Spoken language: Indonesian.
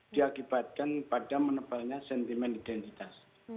diakibatkan pada menebalnya sentimen identitas